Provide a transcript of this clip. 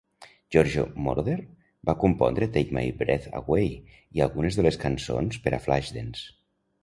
Giorgio Moroder va compondre "Take My Breath Away" i algunes de les cançons per a "Flashdance".